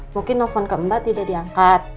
mungkin nelfon ke mbak tidak diangkat